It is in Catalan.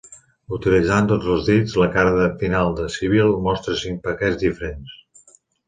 Utilitzant tots els dits, la cara final de Sybil mostra cinc paquets diferents.